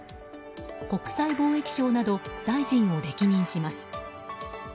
国際貿易相など大臣を歴任します。